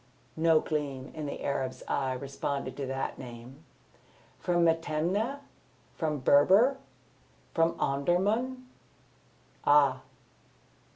No gleam in the Arab's eyes responded to that name. "From Metemneh? From Berber? From Omdurman? Ah!"